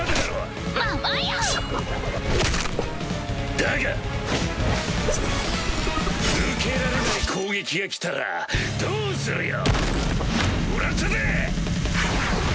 だが受けられない攻撃が来たらどうするよ！もらったぜ！